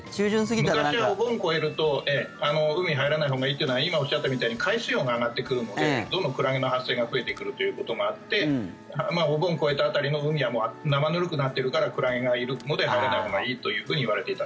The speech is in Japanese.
昔は、お盆を越えると海に入らないほうがいいっていうのは今おっしゃったみたいに海水温が上がってくるのでどんどんクラゲの発生も増えてくるということもあってお盆越えた辺りの海は生ぬるくなってるからクラゲがいるので入らないほうがいいというふうにいわれていた。